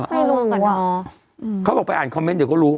ไม่รู้อ่ะอ๋อเขาบอกไปอ่านคอมเมนต์เดี๋ยวก็รู้